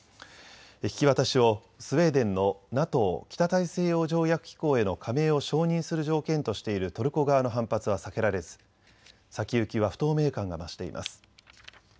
引き渡しをスウェーデンのＮＡＴＯ・北大西洋条約機構への加盟を承認する条件としているトルコ側の反発は避けられず先行きは不透明感が増しています。